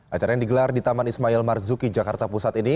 acara yang digelar di taman ismail marzuki jakarta pusat ini